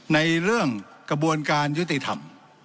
ในเรื่องกระบวนการยุติธรรม